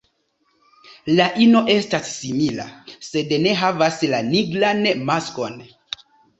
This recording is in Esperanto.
La ino estas simila, sed ne havas la nigran maskon.